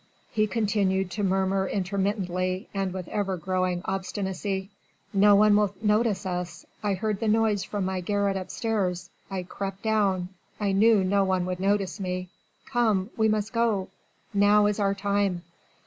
he continued to murmur intermittently and with ever growing obstinacy. "No one will notice us.... I heard the noise from my garret upstairs.... I crept down.... I knew no one would notice me.... Come we must go ... now is our time."